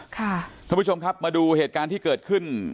ท่านผู้ชมครับมาดูเหตุการณ์ที่เกิดขึ้น